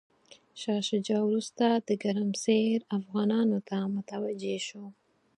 شاه شجاع وروسته د ګرمسیر افغانانو ته متوجه شو.